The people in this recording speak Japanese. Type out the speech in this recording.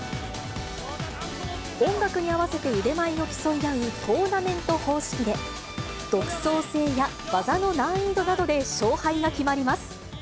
音楽に合わせて腕前を競い合うトーナメント方式で、独創性や技の難易度などで勝敗が決まります。